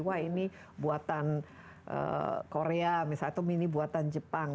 wah ini buatan korea misalnya atau mini buatan jepang